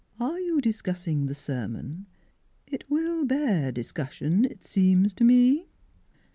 " Are you discussing the sermon? It will bear discussion, it seems to me."